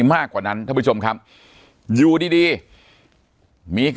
ปากกับภาคภูมิ